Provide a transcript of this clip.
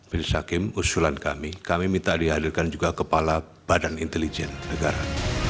majelis hakim usulan kami kami minta dihadirkan juga kepala badan intelijen negara